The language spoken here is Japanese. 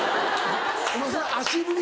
お前その足踏み